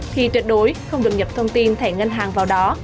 thì tuyệt đối không được nhập thông tin thẻ ngân hàng vào đó